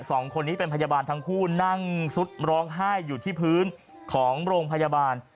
สองคนนี้เป็นพยาบาลทั้งคู่นั่งซุดร้องไห้อยู่ที่พื้นของโรงพยาบาล